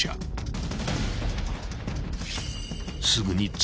［すぐに］